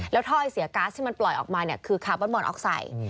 แล้วถ้อยเสียก๊าซที่มันปล่อยออกมาคือคาร์บอนมอนออกไซด์